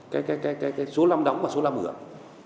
cái số lâm đóng và số lâm hưởng